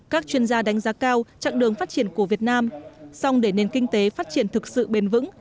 các chuyên gia đánh giá cao trạng đường phát triển của việt nam song để nền kinh tế phát triển thực sự bền vững